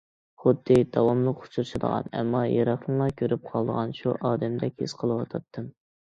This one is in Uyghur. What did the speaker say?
خۇددى داۋاملىق ئۇچرىشىدىغان ئەمما يىراقتىنلا كۆرۈپ قالىدىغان شۇ ئادەمدەك ھېس قىلىۋاتاتتىم.